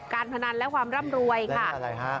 การพนันและความร่ำรวยค่ะ